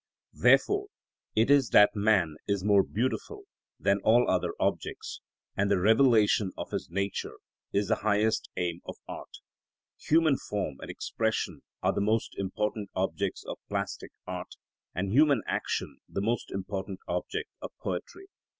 Therefore it is that man is more beautiful than all other objects, and the revelation of his nature is the highest aim of art. Human form and expression are the most important objects of plastic art, and human action the most important object of poetry.